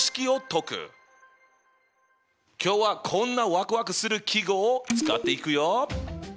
今日はこんなわくわくする記号を使っていくよ。